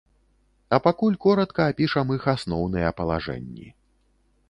А пакуль коратка апішам іх асноўныя палажэнні.